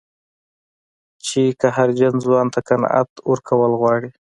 چې قهرجن ځوان ته قناعت ورکول غواړي.